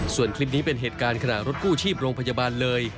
ส่วนคลิปนี้เป็นเหตุการณ์ขณะรถกู้ชีพโรงพยาบาลเลย